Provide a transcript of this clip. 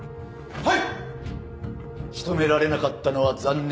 はい！